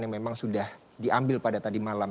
yang memang sudah diambil pada tadi malam